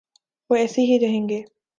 وہ ایسے ہی رہیں گے۔